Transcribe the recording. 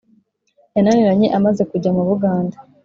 yananiranye amaze kujya mu bugande